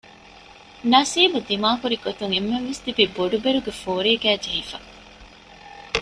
ނަސީބު ދިމާކުރިގޮތުން އެންމެންވެސް ތިބީ ބޮޑުބެރުގެ ފޯރީގައި ޖެހިފަ